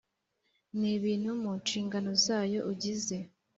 N ibintu mu nshingano zayo ugize